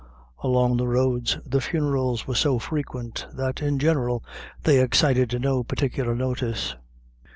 Along the roads the funerals were so frequent, that, in general, they excited no particular notice.